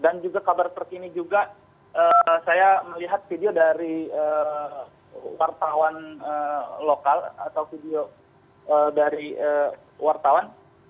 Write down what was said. dan juga kabar seperti ini juga saya melihat video dari wartawan lokal atau video dari wartawan